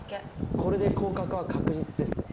これで降格は確実ですね。